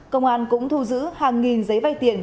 công an cũng thu giữ hàng nghìn giấy vay tiền